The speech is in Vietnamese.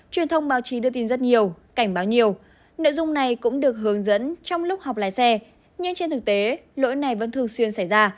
truyền thông báo chí đưa tin rất nhiều cảnh báo nhiều nội dung này cũng được hướng dẫn trong lúc học lái xe nhưng trên thực tế lỗi này vẫn thường xuyên xảy ra